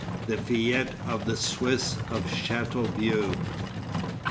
THE FÊTE OF THE SWISS OF CHATEAUVIEUX.